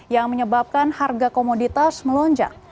yang menyebabkan harga komoditas melonjak